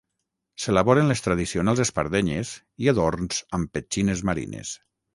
S'elaboren les tradicionals espardenyes i adorns amb petxines marines.